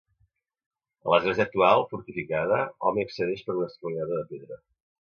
A l'església actual, fortificada, hom hi accedeix per una escalinata de pedra.